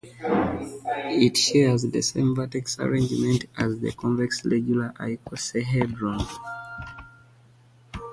It shares the same vertex arrangement as the convex regular icosahedron.